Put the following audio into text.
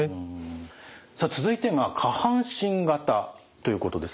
さあ続いて下半身型ということです。